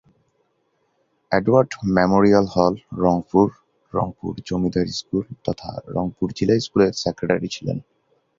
Edward Memorial Hall, Rangpur, Rangpur Zamindar school তথা রংপুর জিলা স্কুলের secretary ছিলেন।